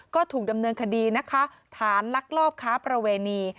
ก็ถูกดำเนินคดีนะคะฐานลักลอบค้าประเวณี